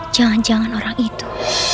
jangan jangan orang itu